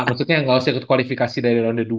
maksudnya ga usah ikut kualifikasi dari round dua